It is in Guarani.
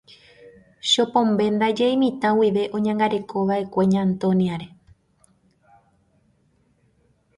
Chopombe ndaje imitã guive oñangarekova'ekue Ña Antonia-re.